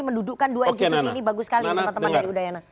mendudukkan dua institusi ini bagus sekali teman teman dari udayana